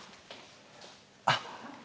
あっ。